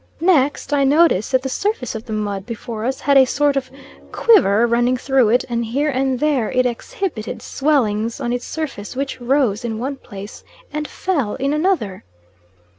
Next I noticed that the surface of the mud before us had a sort of quiver running through it, and here and there it exhibited swellings on its surface, which rose in one place and fell in another.